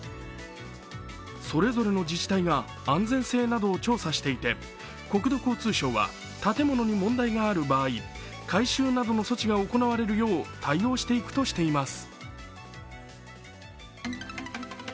それぞれの自治体が安全性などを調査していて国土交通省は建物に問題がある場合、改修などの措置が行われるよう対応していくとしています。